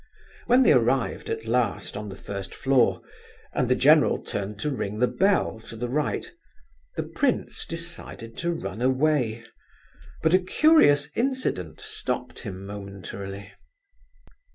When they arrived at last, on the first floor, and the general turned to ring the bell to the right, the prince decided to run away, but a curious incident stopped him momentarily.